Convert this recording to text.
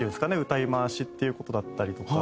歌い回しっていう事だったりとか。